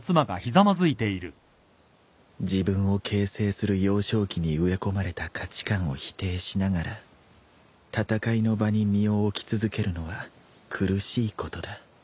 自分を形成する幼少期に植え込まれた価値観を否定しながら戦いの場に身を置き続けるのは苦しいことだ。